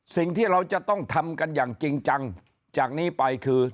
สิ่งที่เราจะต้องทำกันอย่างจริงจังจากนี้ไปคือ